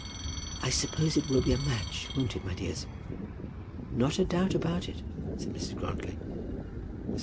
"I suppose it will be a match; won't it, my dears?" "Not a doubt about it," said Mrs. Grantly. Mr.